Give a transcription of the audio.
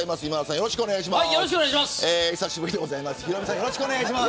よろしくお願いします。